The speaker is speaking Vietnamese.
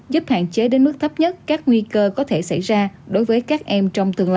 giúp hạn chế đến mức thấp nhất các nguy cơ có thể xảy ra đối với các em trong tương lai